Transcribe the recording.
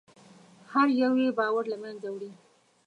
هر یو یې باور له منځه وړي.